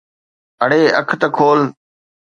اڙي اک تہ کول.